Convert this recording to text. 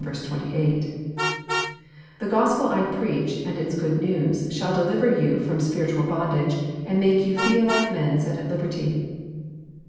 '* The Gospel I preach, ami its good news, ^all deliver you Arom spiritual bondage, and make you feel like men set at Uberty."